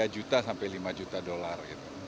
tiga juta sampai lima juta dolar